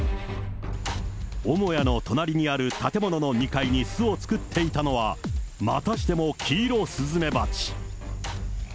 母屋の隣にある建物の２階に巣を作っていたのは、またしてもキイロスズメバチ。